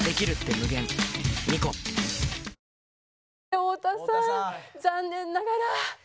太田さん残念ながら。